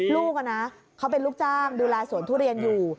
ลูกเขาเป็นลูกจ้างดูแลสวนทุเรียนอยู่